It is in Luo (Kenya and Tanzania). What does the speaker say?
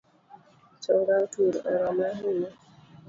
Chonga otur, orama ahinya